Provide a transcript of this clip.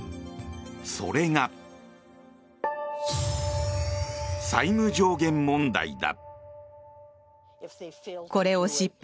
それが債務上限問題だ。